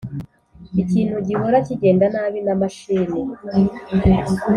ikintu gihora kigenda nabi na mashini.